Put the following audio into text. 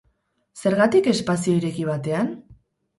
Zergatik espazio ireki batean?